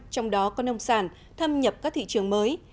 trong đó có nông sản thâm nhập các thị trường mới